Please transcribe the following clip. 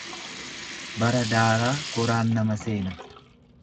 Bara daaraa goraan nama seena.